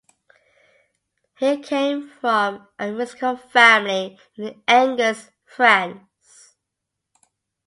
He came from a musical family in Angers, France.